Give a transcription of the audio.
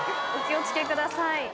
お気を付けください。